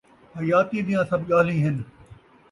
حیاتی دیاں سب ڳالھیں ہن